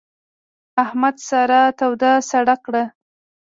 احمد سارا توده سړه کړه.